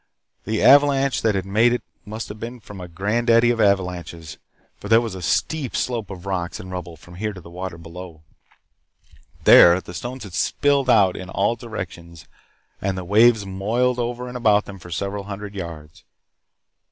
The avalanche that had made it must have been a granddaddy of avalanches, for there was a steep slope of rocks and rubble from here to the water below. There, the stones had spilled out in all directions and the waves moiled over and about them for several hundred yards.